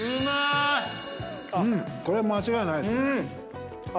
これ間違いないっすね。